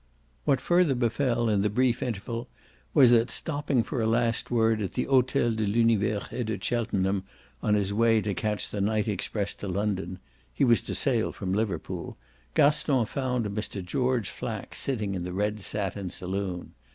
What further befell in the brief interval was that, stopping for a last word at the Hotel de l'Univers et the Cheltenham on his way to catch the night express to London he was to sail from Liverpool Gaston found Mr. George Flack sitting in the red satin saloon.